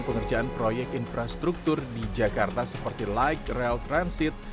pengerjaan proyek infrastruktur di jakarta seperti light rail transit